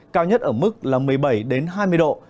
cao nhất ở mức một mươi bảy đến hai mươi độ